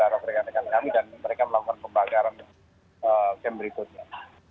rekan rekan kami dan mereka melakukan pembakaran game berikutnya